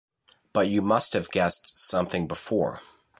But you must have guessed something before.